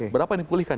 berapa yang dikulihkan